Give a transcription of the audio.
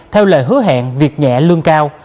theo lời hứa hẹn việc nhẹ lương cao